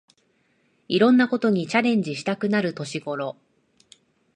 いろんなことにチャレンジしたくなる年ごろ